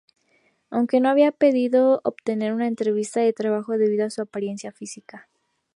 Aunque no había podido obtener una entrevista de trabajo debido a su apariencia física.